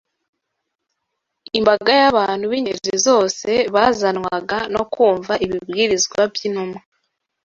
Imbaga y’abantu b’ingeri zose bazanwaga no kumva ibibwirizwa by’intumwa